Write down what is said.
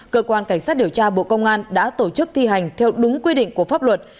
cơ quan cảnh sát điều tra bộ công an đã tổ chức thi hành theo đúng quy định của pháp luật